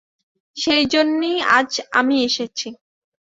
সেইজন্যেই আজ আমি এসেছি।